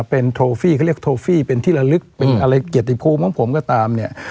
เป็นโฟฟี่เขาเรียกโทฟี่เป็นที่ละลึกเป็นอะไรเกียรติภูมิของผมก็ตามเนี่ย